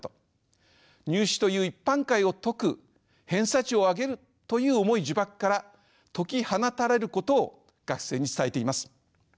入試という一般解を解く偏差値を上げるという重い呪縛から解き放たれることを学生に伝えています。